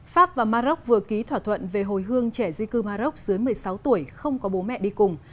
pháp và maroc vừa ký thỏa thuận về hồi hương trẻ di cư maroc dưới một mươi sáu tuổi không có bố mẹ đi cùng